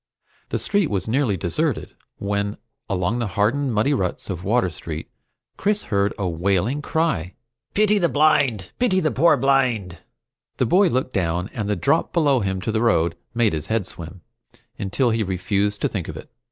The street was nearly deserted when along the hardened muddy ruts of Water Street Chris heard a wailing cry: "Pity the blind! Pity the pore blind!" The boy looked down, and the drop below him to the road made his head swim, until he refused to think of it.